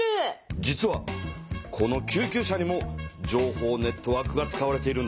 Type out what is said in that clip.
実はこの救急車にも情報ネットワークが使われているんだ。